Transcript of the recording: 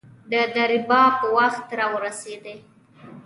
د دربار وخت را ورسېدی.